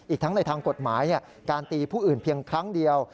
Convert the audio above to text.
ทั้งในทางกฎหมายการตีผู้อื่นเพียงครั้งเดียว